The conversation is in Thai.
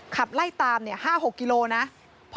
ขับไล่ตาม๕๖กิโลนะ